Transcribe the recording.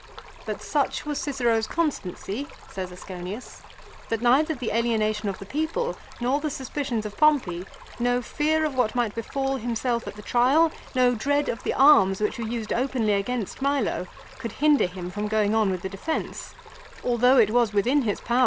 " But such was Cicero's constancy," says Asconius, "that neither the alienation of the people, nor the suspicions of Pompey, no fear of what might befall himself at the trial, no dread of the arms which were used openly against Milo, could hinder him from going on with the defence, although it was within his power HILO.